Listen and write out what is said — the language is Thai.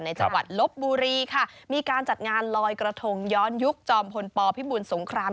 จังหวัดลบบุรีค่ะมีการจัดงานลอยกระทงย้อนยุคจอมพลปพิบูลสงคราม